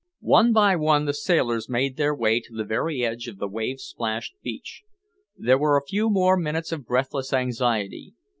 One by one the sailors made their way to the very edge of the wave splashed beach. There were a few more minutes of breathless anxiety.